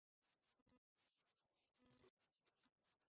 It regards the origin of man by special creation as a historical fact...